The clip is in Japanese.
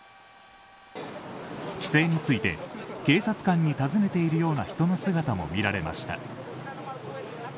規制について警察官に尋ねているような人の姿も見られました。